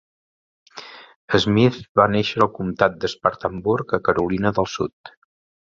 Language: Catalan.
Smith va néixer al comptat d'Spartanburg, a Carolina del Sud.